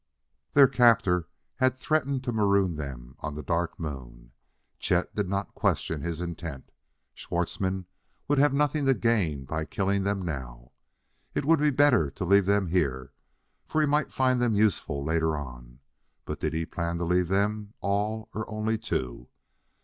Their captor had threatened to maroon them on the Dark Moon. Chet did not question his intent. Schwartzmann would have nothing to gain by killing them now. It would be better to leave them here, for he might find them useful later on. But did he plan to leave them all or only two?